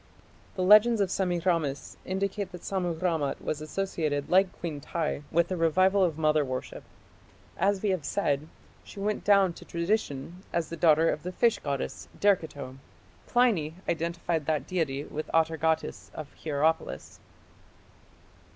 The legends of Semiramis indicate that Sammu rammat was associated like Queen Tiy with the revival of mother worship. As we have said, she went down to tradition as the daughter of the fish goddess, Derceto. Pliny identified that deity with Atargatis of Hierapolis.